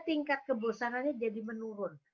tingkat kebosanannya jadi menurun